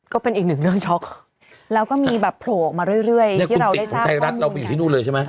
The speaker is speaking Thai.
ก็เป็นอีกหนึ่งเรื่องช็อกแล้วก็มีแบบโผล่มาเรื่อยที่เราได้ทราบความคุณติดของไทยรักเราไปอยู่ที่นู่นเลยใช่ไหม